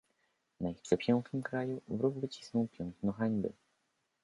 "Na ich przepięknym kraju wróg wycisnął piętno hańby."